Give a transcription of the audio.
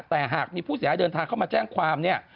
แต่หากมีผู้เสียหายเดินทางเข้ามาแจ้งความเนี่ย